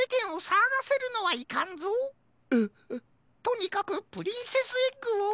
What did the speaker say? とにかくプリンセスエッグを。